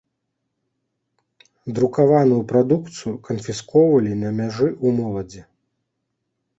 Друкаваную прадукцыю канфіскоўвалі на мяжы ў моладзі.